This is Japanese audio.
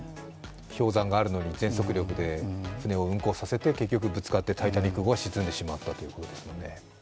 氷山があるのに全速力で船を運航させて結局ぶつかって「タイタニック」号は沈んでしまったということですよね。